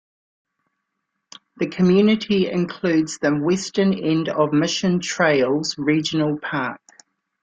The community includes the western end of Mission Trails Regional Park.